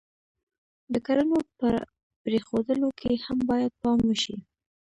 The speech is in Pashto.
د کړنو په پرېښودلو کې هم باید پام وشي.